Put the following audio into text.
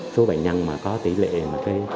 số bệnh nhân mà có tỷ lệ